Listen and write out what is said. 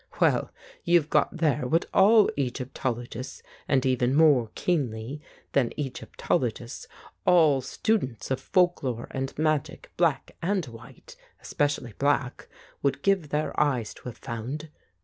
Well, you've got there what all Egyptologists, and even more keenly than Egyptologists all students of folk lore and magic black and white — especially black — would give their eyes to have found.